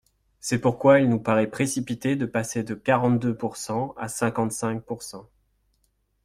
C’est pourquoi il nous paraît précipité de passer de quarante-deux pourcent à cinquante-cinq pourcent.